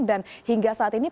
dan hingga saat ini